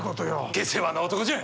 下世話な男じゃ。